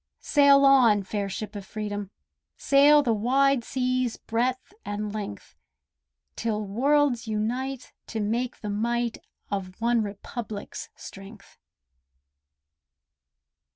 Sail on, fair ship of Freedom, sail The wide sea's breadth and length. 'Till worlds unite to make the might Of "One Republic's" strength.